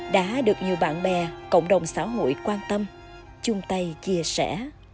đã được nhiều bạn bè cộng đồng xã hội quan tâm chung tay chia sẻ